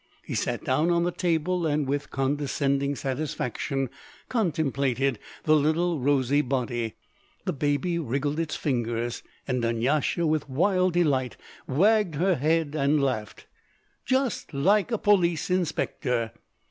He sat down on the table, and with condescending satisfaction contemplated the little rosy body. The baby wriggled its fingers, and Dunyasha with wild delight wagged her head and laughed. "Just like a police inspector!"